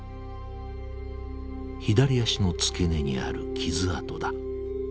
左足の付け根にある傷痕だ。